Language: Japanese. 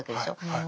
はい。